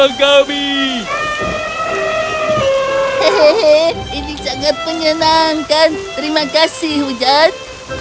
hehehe ini sangat menyenangkan terima kasih hujan